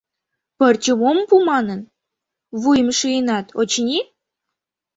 Пырчым ом пу манын, вуйым шийынат, очыни?